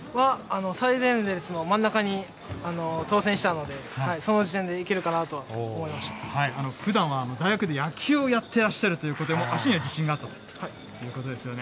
最前列の真ん中に当せんしたので、その時点でいけるかなと思ふだんは大学で野球をやってらっしゃるということで、足には自信があったということですよね。